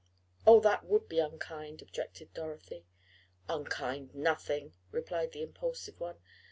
"Oh, that would be unkind," objected Dorothy. "Unkind nothing," replied the impulsive one.